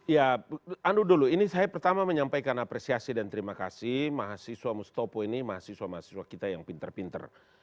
ya anu dulu ini saya pertama menyampaikan apresiasi dan terima kasih mahasiswa mustopo ini mahasiswa mahasiswa kita yang pinter pinter